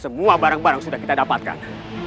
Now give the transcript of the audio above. semua barang barang sudah kita dapatkan